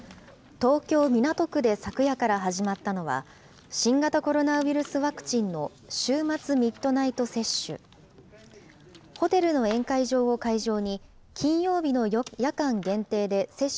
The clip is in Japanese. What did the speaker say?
東京・港区で昨夜から始まったのは、新型コロナウイルスワクチンの週末ミッドナイト接種。